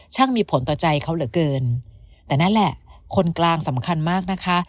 มีผลต่อใจเขาเหลือเกินแต่นั่นแหละคนกลางสำคัญมากนะคะ